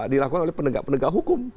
dilakukan oleh penegak penegak hukum